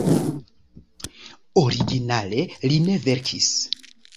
Originale li ne verkis.